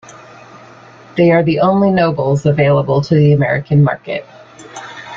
They are the only Nobles available to the American market.